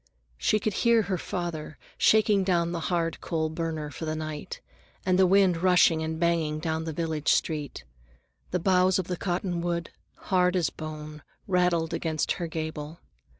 She could hear her father shaking down the hard coal burner for the night, and the wind rushing and banging down the village street. The boughs of the cottonwood, hard as bone, rattled against her gable.